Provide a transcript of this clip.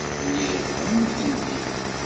Lliɣ am nutenti.